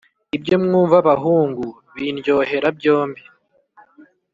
ibyo mwumva bahungu, bindyohera byombi !